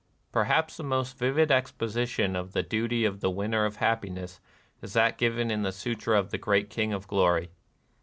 Perhaps the most vivid exposition of the duty of the winner of hap piness is that given in the Sutra of the Great King of Glory.